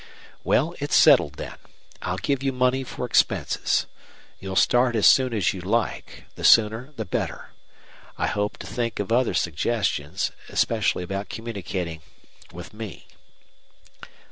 "Well, it's settled, then. I'll give you money for expenses. You'll start as soon as you like the sooner the better. I hope to think of other suggestions, especially about communicating with me."